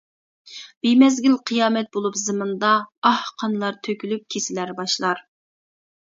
بىمەزگىل قىيامەت بولۇپ زېمىندا، ئاھ، قانلار تۆكۈلۈپ كېسىلەر باشلار!